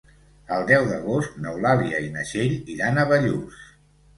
El deu d'agost n'Eulàlia i na Txell iran a Bellús.